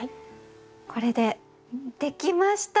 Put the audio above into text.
これでできました！